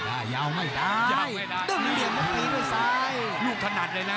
ยาวไม่ได้ยาวไม่ได้ดึงเหลี่ยมแล้วตีด้วยซ้ายลูกถนัดเลยนะ